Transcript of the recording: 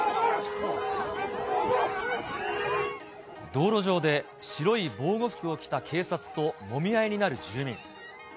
道路上で白い防護服を着た警察ともみ合いになる住民。